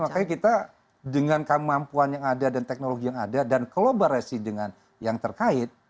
makanya kita dengan kemampuan yang ada dan teknologi yang ada dan kolaborasi dengan yang terkait